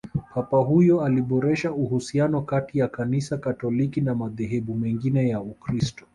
papa huyo aliboresha uhusiano kati ya kanisa katoliki na madhehebu mengine ya ukristo